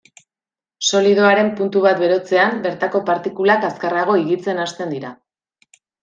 Solidoaren puntu bat berotzean, bertako partikulak azkarrago higitzen hasten dira.